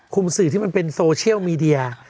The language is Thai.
สื่อที่มันเป็นโซเชียลมีเดีย